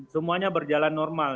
semuanya berjalan normal